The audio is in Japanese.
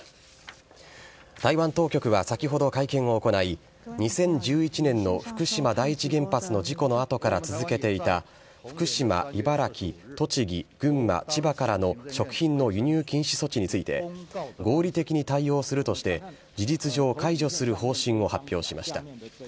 台湾当局は先ほど会見を行い、２０１１年の福島第一原発の事故のあとから続けていた、福島、茨城、栃木、群馬、千葉からの食品の輸入禁止措置について、合理的に対応するとして、事実上、解除する方針を発表しました。